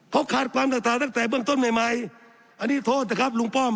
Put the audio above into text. เขาขาดความศรัทธาตั้งแต่เบื้องต้นใหม่อันนี้โทษนะครับลุงป้อม